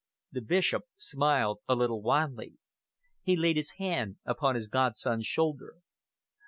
The Bishop smiled a little wanly. He laid his hand upon his godson's shoulder.